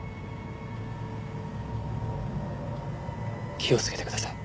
気をつけてください。